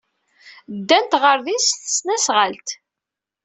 Ddant ɣer din s tesnasɣalt.